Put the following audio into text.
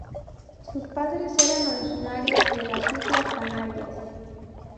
Sus padres eran originarios de las Islas Canarias.